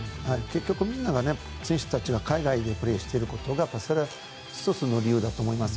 結局みんなが選手たちが海外でプレーしていることが１つの理由だと思います。